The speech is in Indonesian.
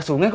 itu dia su